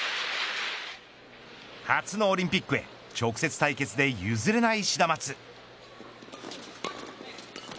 初のオリンピックへ直接対決で譲れないシダマツ。